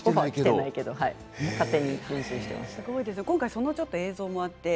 今回その映像もあります。